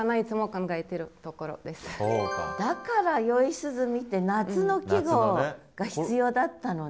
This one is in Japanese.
だから「宵涼み」って夏の季語が必要だったのね。